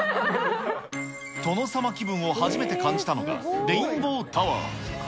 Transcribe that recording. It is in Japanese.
殿様気分を初めて感じたのが、レインボータワー。